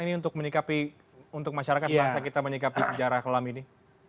ini untuk menyikapi untuk masyarakat bangsa kita menyikapi sejarah kelam ini